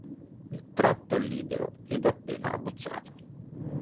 Il tratto è libero ed appena abbozzato.